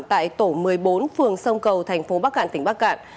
tại tổ một mươi bốn phường sông cầu tp bắc cạn tp bắc cạn